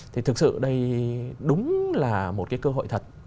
thì thực sự đây đúng là một cái cơ hội thật